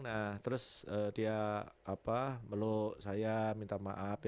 nah terus dia meluk saya minta maaf